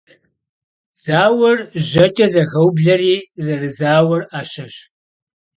Зауэр жьэкӀэ зэхаублэри зэрызауэр Ӏэщэщ.